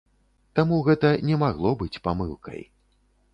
Таму гэта не магло быць памылкай.